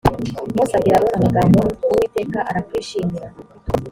mose abwira aroni amagambo uwiteka arakwishimira